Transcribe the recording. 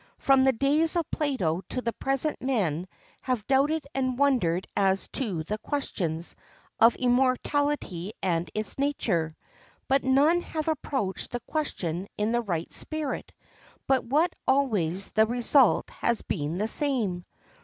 From the days of Plato to the present men have doubted and wondered as to the questions of immortality and its nature. But none have approached the question in the right spirit but what always the result has been the same.